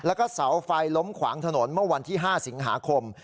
แล้วก็เสาไฟล้มขวางถนนเมื่อวันที่๕สิงหาคม